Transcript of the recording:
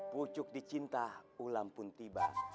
pucuk dicinta ulam pun tiba